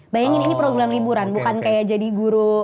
bayangin ini program liburan bukan kayak jadi guru